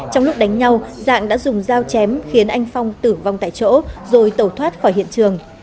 trong lúc đánh nhau dạng đã dùng dao chém khiến anh phong tử vong tại chỗ rồi tẩu thoát khỏi hiện trường